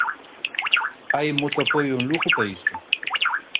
Hai moto apoio en Lugo para isto.